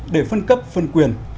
để phân cấp phân quyền